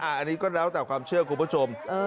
อันนี้ก็แล้วแต่ความเชื่อคุณผู้ชม